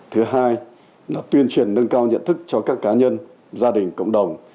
thứ hai là tuyên truyền nâng cao nhận thức cho các cá nhân gia đình cộng đồng